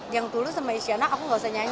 yang tulus sama isyana aku gak usah nyanyi